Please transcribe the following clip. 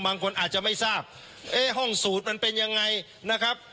บางคนอาจจะไม่ทราบเอ๊ะห้องสูตรมันเป็นยังไงนะครับ